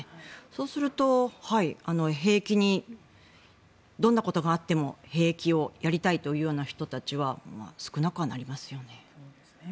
そうするとどんなことをやっても兵役をやりたいという人たちは少なくなりますよね。